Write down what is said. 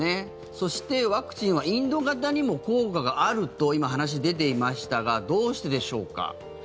そして、ワクチンはインド型にも効果があると今、話が出ていましたがどうしてでしょうか？